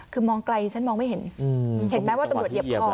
คือมองไกลฉันมองไม่เห็นเห็นไหมว่าตำรวจเหยียบคอ